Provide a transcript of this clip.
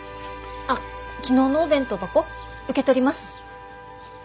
あっ昨日のお弁当箱受け取ります。